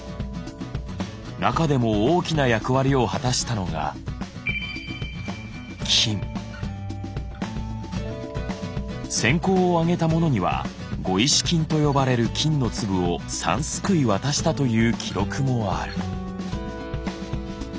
中でも大きな役割を果たしたのが戦功をあげた者には「碁石金」と呼ばれる金の粒を３すくい渡したという記録もある。